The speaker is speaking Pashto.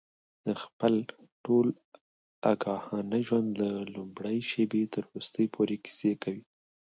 د خپل ټول آګاهانه ژوند له لومړۍ شېبې تر وروستۍ پورې کیسې کوي.